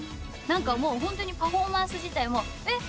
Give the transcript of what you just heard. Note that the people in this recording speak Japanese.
ホントにパフォーマンス自体も「えっ？